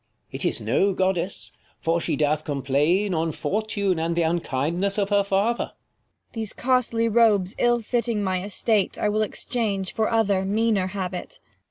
King. It is no goddess ; for she doth complain On Fortune, and th* unkindness of her father, 30 Cor. These costly robes ill fitting my estate, 26 KING LEIR AND [Acr II I will exchange for other meaner habit.